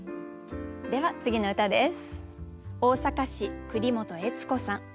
では次の歌です。